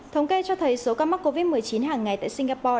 thống kê cho thấy số ca mắc covid một mươi chín hàng ngày tại singapore